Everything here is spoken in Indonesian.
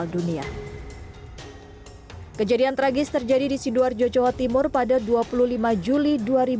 kedua kejadian terjadi di siduarjo jawa timur pada dua puluh lima juli dua ribu delapan belas